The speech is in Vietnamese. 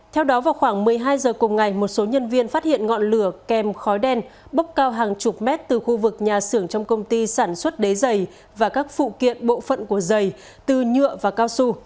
theo đó vào khoảng một mươi hai h cùng ngày một số nhân viên phát hiện ngọn lửa kèm khói đen bốc cao hàng chục mét từ khu vực nhà xưởng trong công ty sản xuất đế dày và các phụ kiện bộ phận của dày từ nhựa và cao su